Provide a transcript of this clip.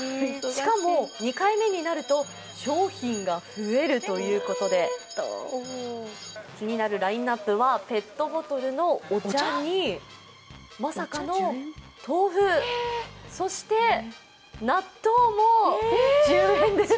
しかも、２回目になると、商品が増えるということで、気になるラインナップはペットボトルのお茶にまさかの豆腐、そして納豆も１０円です。